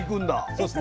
そうです。